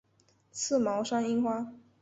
刺毛山樱花